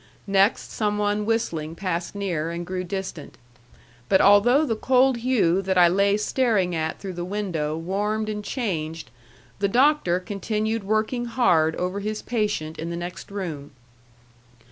Next, some one whistling passed near and grew distant. But although the cold hue that I lay staring at through the window warmed and changed, the Doctor continued working hard over his patient in the next room.